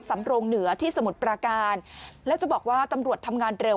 สำรงเหนือที่สมุทรปราการแล้วจะบอกว่าตำรวจทำงานเร็ว